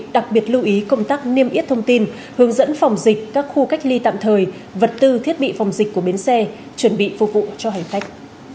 đặc biệt lưu ý công tác niêm yết thông tin hướng dẫn phòng dịch các khu cách ly tạm thời vật tư thiết bị phòng dịch của bến xe chuẩn bị phục vụ cho hành khách